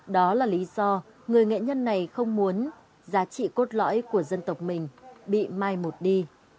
đó là lý do người nghệ nhân này không muốn giá trị cốt lõi của dân tộc mình bị mai một đi